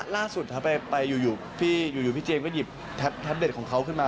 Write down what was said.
ล่าสุดไปอยู่พี่เจมส์ก็หยิบแท็บเล็ตของเขาขึ้นมา